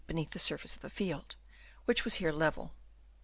beneath the surface of the field, which was here level.